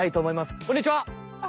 あっこんにちは。